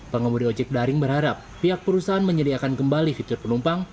pengemudi ojek daring berharap pihak perusahaan menyediakan kembali fitur penumpang